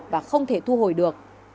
và không thể thu hồi được